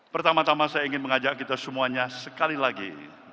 pertama tama saya ingin mengajak kita semuanya sekali lagi